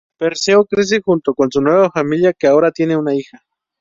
Perseo crece junto con su nueva familia que ahora tiene una hija.